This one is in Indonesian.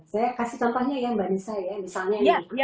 saya kasih contohnya ya mbak nisa ya misalnya